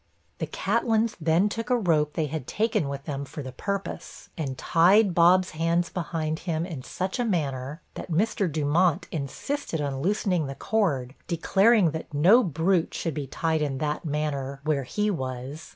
The Catlins then took a rope they had taken with them for the purpose, and tied Bob's hands behind him in such a manner, that Mr. Dumont insisted on loosening the cord, declaring that no brute should be tied in that manner, where he was.